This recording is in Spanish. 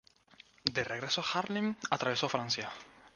De regreso a Haarlem atravesó Francia.